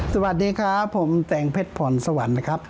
สวัสดีครับผมแตงเพชรผ่อนสวรรค์นะครับ